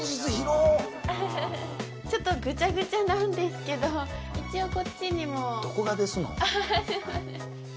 ちょっとぐちゃぐちゃなんですけど一応こっちにもどこがですの？